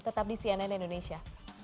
tetap di cnn indonesia